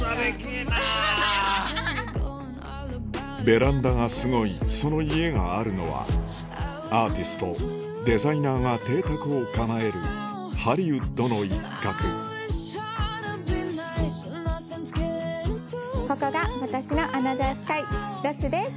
ベランダがすごいその家があるのはアーティストデザイナーが邸宅を構えるハリウッドの一角ここが私のアナザースカイロスです。